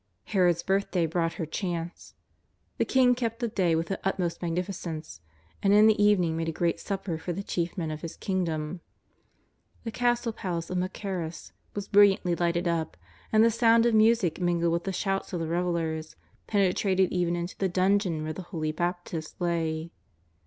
Herod's birthday brought her chance. The king kept the day with the utmost magnificence, and in the evening made a great supper for the chief men of his kingdom. The castle palace of Machaerus was brilliantly lighted up, and the sound of music mingled with the shouts of the revellers penetrated even into the dungeon where the holy Bap tist lay.